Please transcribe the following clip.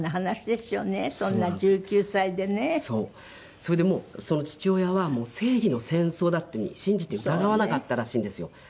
それでもう父親は正義の戦争だっていうふうに信じて疑わなかったらしいんですよ。